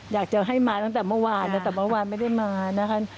อยากจะให้มาตั้งแต่เมื่อวานนะแต่เมื่อวานไม่ได้มานะคะ